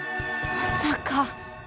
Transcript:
まさか。